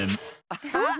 アハッ！